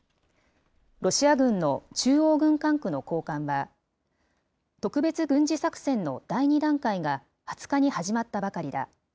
ロシア軍の中央軍管区の高官は、特別軍事作戦の第２段階が２０日に始まったばかりだ。